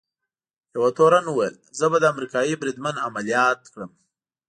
یوه تورن وویل: زه به امریکايي بریدمن عملیات کړم.